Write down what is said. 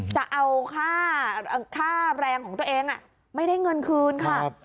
จะเอาค่าค่าแรงของตัวเองอ่ะไม่ได้เงินคืนค่ะครับ